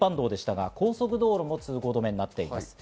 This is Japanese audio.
高速道路も通行止めになっています。